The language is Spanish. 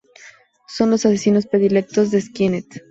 Son los asesinos predilectos de Skynet.